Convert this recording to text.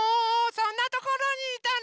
そんなところにいたの？